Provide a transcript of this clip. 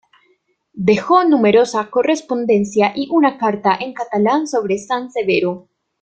Dejó numerosa correspondencia y una carta en catalán sobre San Severo.